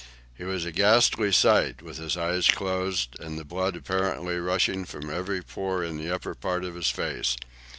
"He was a ghastly sight, with his eyes closed and the blood apparently rushing from every pore in the upper part of his face.